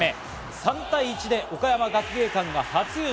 ３対１で岡山学芸館が初優勝。